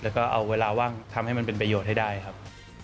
แล้วก็เอาเวลาว่างทำให้มันเป็นประโยชน์ให้ได้ครับ